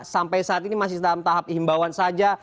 sampai saat ini masih dalam tahap imbauan saja